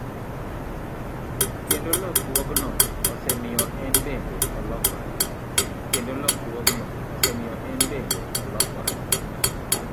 Kendo lokruokgo osemiyo en bende olokore.